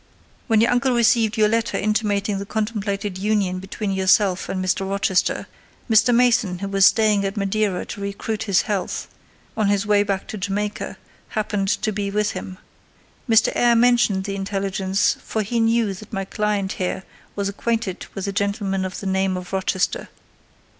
When your uncle received your letter intimating the contemplated union between yourself and Mr. Rochester, Mr. Mason, who was staying at Madeira to recruit his health, on his way back to Jamaica, happened to be with him. Mr. Eyre mentioned the intelligence; for he knew that my client here was acquainted with a gentleman of the name of Rochester.